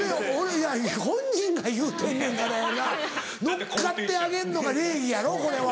いや本人が言うてんねんからやな乗っかってあげんのが礼儀やろこれは。